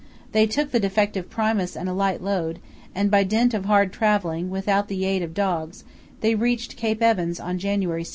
They took the defective Primus and a light load, and by dint of hard travelling, without the aid of dogs, they reached Cape Evans on January 16.